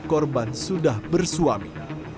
korban sudah bersuami